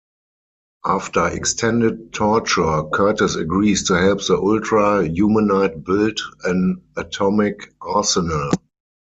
After extended torture, Curtis agrees to help the Ultra-Humanite build an atomic arsenal.